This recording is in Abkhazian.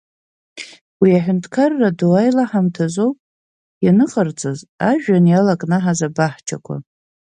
Уи аҳәынҭқарра ду аилаҳамҭазоуп ианыҟарҵаз ажәҩан иалакнаҳаз абаҳчақәа.